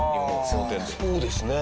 そうですね。